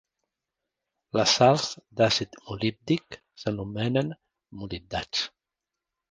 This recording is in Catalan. Les sals d'àcid molíbdic s'anomenen molibdats.